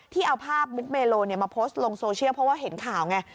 เอาภาพมุกเมโลมาโพสต์ลงโซเชียลเพราะว่าเห็นข่าวไง